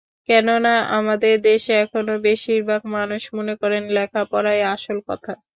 কেননা আমাদের দেশে এখনো বেশির ভাগ মানুষ মনে করে লেখাপড়াই আসল কথা।